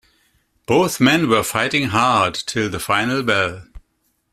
Both men were fighting hard til the final bell.